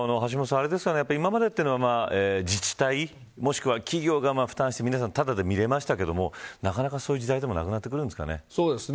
橋下さん、今までは自治体もしくは企業が負担して皆さんが、ただで見れましたがなかなかそういう時代でもなくなってくるんですかね。